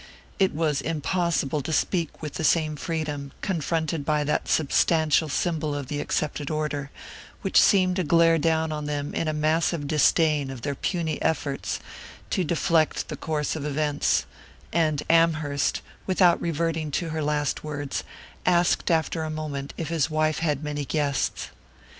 It was impossible to speak with the same freedom, confronted by that substantial symbol of the accepted order, which seemed to glare down on them in massive disdain of their puny efforts to deflect the course of events: and Amherst, without reverting to her last words, asked after a moment if his wife had many guests.